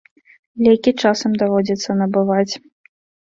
Лекі часам даводзіцца набываць.